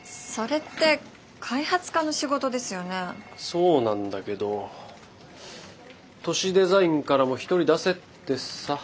そうなんだけど都市デザインからも１人出せってさ。